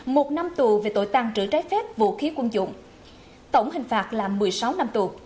một năm tù về tội tăng trữ trái phép vũ khí quân dụng tổng hình phạt là một mươi sáu năm tù